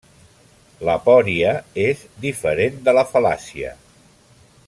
L'aporia és diferent de la fal·làcia.